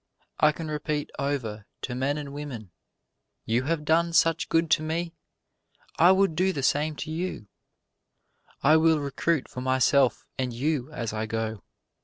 I can repeat over to men and women, You have done such good to me I would do the same to you, I will recruit for myself and you as I go.